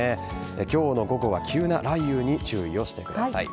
今日の午後は急な雷雨に注意してください。